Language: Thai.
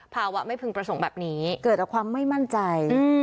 ภาวะไม่พึงประสงค์แบบนี้เกิดจากความไม่มั่นใจ